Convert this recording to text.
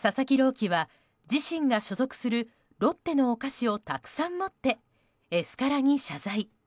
希は自身が所属するロッテのお菓子をたくさん持ってエスカラに謝罪。